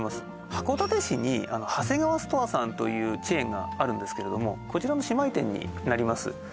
函館市にハセガワストアさんというチェーンがあるんですけれどもこちらの姉妹店になります